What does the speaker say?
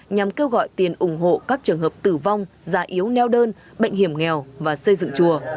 nhằm kêu gọi tiền ủng hộ các trường hợp tử vong già yếu neo đơn bệnh hiểm nghèo và xây dựng chùa